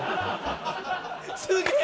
すげえ！